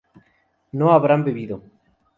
no habrán bebido